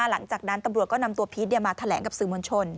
หลังจากนั้นตำรวจก็นำตัวพีชมาแถลงกับสื่อมวลชน